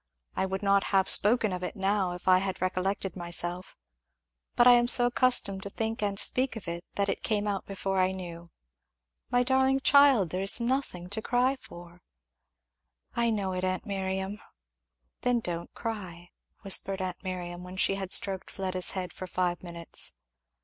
I would not have spoken of it now if I had recollected myself, but I am so accustomed to think and speak of it that it came out before I knew it. My darling child, it is nothing to cry for." "I know it, aunt Miriam." "Then don't cry," whispered aunt Miriam, when she had stroked Fleda's head for five minutes.